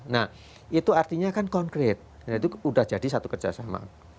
nah itu artinya kan konkret itu sudah jadi satu kerjasama